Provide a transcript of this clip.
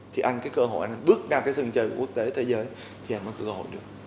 thì anh cứ cơ hội anh bước ra cái sân chơi của quốc tế thế giới thì anh có cơ hội được